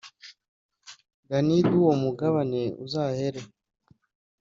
dani d uwo mugabane uzahere